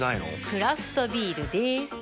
クラフトビールでーす。